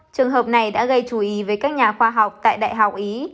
trường hợp này đã gây chú ý với các nhà khoa học tại đại học ý